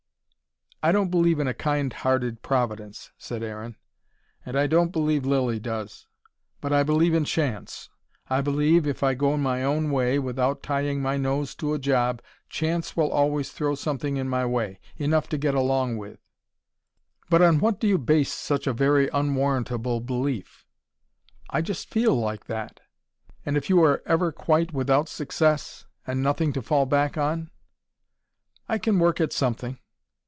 "I don't believe in a kind hearted Providence," said Aaron, "and I don't believe Lilly does. But I believe in chance. I believe, if I go my own way, without tying my nose to a job, chance will always throw something in my way: enough to get along with." "But on what do you base such a very unwarrantable belief?" "I just feel like that." "And if you are ever quite without success and nothing to fall back on?" "I can work at something."